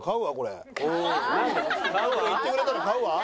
売ってくれたら買うわ。